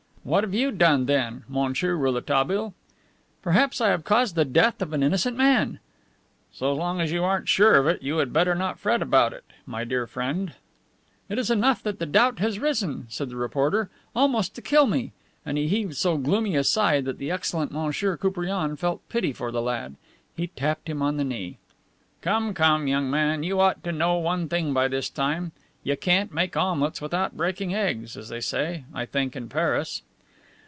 "What have you done, then, Monsieur Rouletabille?" "Perhaps I have caused the death of an innocent man." "So long as you aren't sure of it, you would better not fret about it, my dear friend." "It is enough that the doubt has arisen," said the reporter, "almost to kill me;" and he heaved so gloomy a sigh that the excellent Monsieur Koupriane felt pity for the lad. He tapped him on the knee. "Come, come, young man, you ought to know one thing by this time 'you can't make omelettes without breaking eggs,' as they say, I think, in Paris."